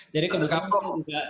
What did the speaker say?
jadi kebesaran juga